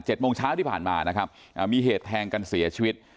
โมงเช้าที่ผ่านมานะครับอ่ามีเหตุแทงกันเสียชีวิต